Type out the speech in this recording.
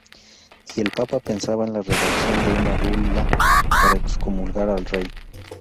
Y el papa pensaba en la redacción de una bula para excomulgar al rey.